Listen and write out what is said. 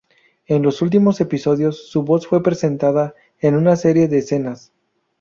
En los últimos episodios, su voz fue presentada en una serie de escenas.